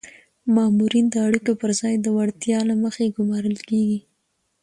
مامورین د اړیکو پر ځای د وړتیا له مخې ګمارل کیږي.